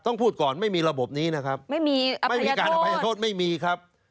พูดก่อนไม่มีระบบนี้นะครับไม่มีไม่มีการอภัยโทษไม่มีครับ